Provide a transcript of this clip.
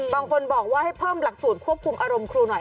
บางคนบอกว่าให้เพิ่มหลักสูตรควบคุมอารมณ์ครูหน่อย